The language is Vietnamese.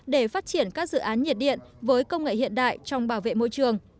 để phát triển các dự án nhiệt điện với công nghệ hiện đại trong bảo vệ môi trường